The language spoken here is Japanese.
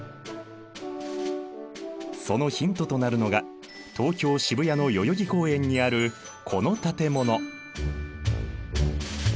そのヒントとなるのが東京・渋谷の代々木公園にあるこの建物。